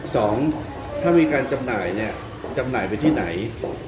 สองถ้ามีการจำหน่ายเนี่ยจำหน่ายไปที่ไหน